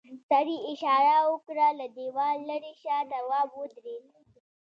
سړي اشاره وکړه له دیوال ليرې شه تواب ودرېد.